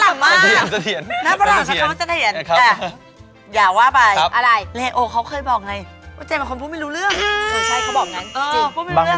เรโอเค้าเคยบอกไงว่าเจมส์เป็นคนพูดไม่รู้เรื่องเออใช่เค้าบอกงั้นจริง